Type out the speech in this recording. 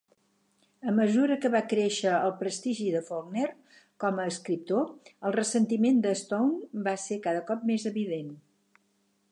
A mesura que va créixer el prestigi de Faulkner com a escriptor, el ressentiment de Stone va ser cada cop més evident.